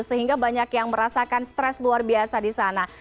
sehingga banyak yang merasakan stres luar biasa di sana